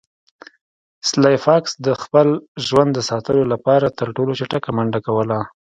سلای فاکس د خپل ژوند ساتلو لپاره تر ټولو چټکه منډه کوله